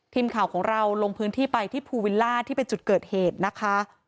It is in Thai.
ทีมข่าวของเราลงพื้นที่ไปที่ภูวิลล่าที่เป็นจุดเกิดเหตุนะคะ